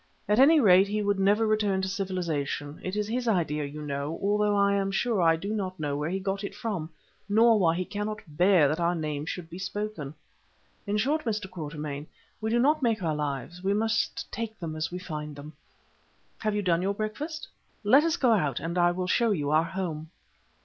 At any rate he would never return to civilization; it is his idea, you know, although I am sure I do not know where he got it from, nor why he cannot bear that our name should be spoken. In short, Mr. Quatermain, we do not make our lives, we must take them as we find them. Have you done your breakfast? Let us go out, and I will show you our home."